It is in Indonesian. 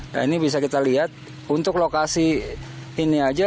nah ini bisa kita lihat untuk lokasi ini aja